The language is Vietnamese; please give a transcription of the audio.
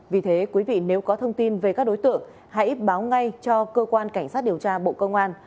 vì thế quý vị nếu có thông tin về các đối tượng hãy báo ngay cho cơ quan cảnh sát điều tra bộ công an